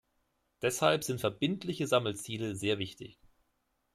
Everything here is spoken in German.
Deshalb sind verbindliche Sammelziele sehr wichtig.